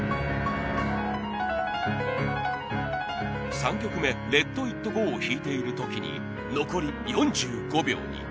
３曲目『レット・イット・ゴー』を弾いている時に残り４５秒に。